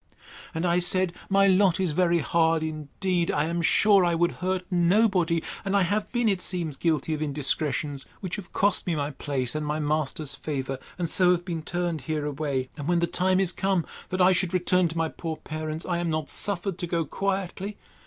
—And I said, My lot is very hard indeed; I am sure I would hurt nobody; and I have been, it seems, guilty of indiscretions, which have cost me my place, and my master's favour, and so have been turned away: and when the time is come, that I should return to my poor parents, I am not suffered to go quietly.